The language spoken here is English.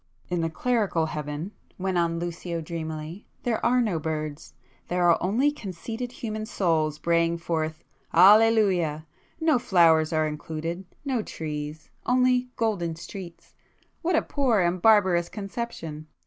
"In the clerical Heaven," went on Lucio dreamily—"there are no birds. There are only conceited human souls braying forth 'Alleluia'! No flowers are included,—no trees; only 'golden streets.' What a poor and barbarous conception!